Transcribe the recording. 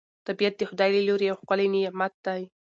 طبیعت د خدای له لوري یو ښکلی نعمت دی